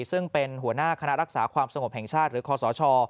ซึ่งเป็นหัวหน้าคณะรักษาความสงบแห่งชาติหรือคอสช